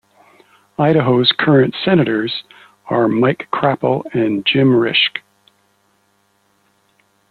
Idaho's current Senators are Mike Crapo and Jim Risch.